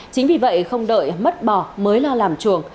chính vì vậy không đợi mất bỏ mới là làm chuồng